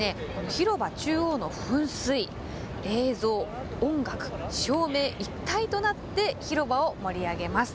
広場中央の噴水映像、音楽照明、一体となって広場を盛り上げます。